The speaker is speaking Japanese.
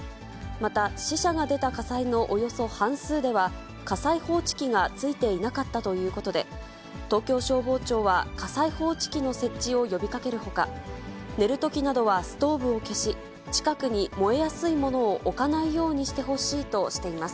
また死者が出た火災のおよそ半数では、火災報知器が付いていなかったということで、東京消防庁は火災報知器の設置を呼びかけるほか、寝るときなどはストーブを消し、近くに燃えやすいものを置かないようにしてほしいとしています。